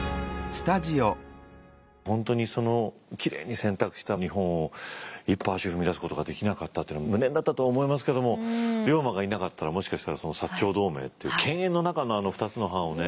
本当にそのきれいに洗濯した日本を一歩足踏み出すことができなかったというのは無念だったと思いますけども龍馬がいなかったらもしかしたらその長同盟っていう犬猿の仲のあの２つの藩をね